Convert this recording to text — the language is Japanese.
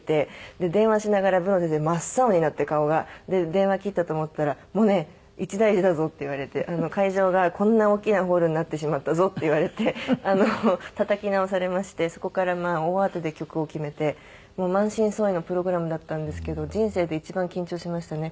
電話切ったと思ったら「百音一大事だぞ」って言われて「会場がこんな大きなホールになってしまったぞ」って言われてたたき直されましてそこから大慌てで曲を決めて満身創痍のプログラムだったんですけど人生で一番緊張しましたね。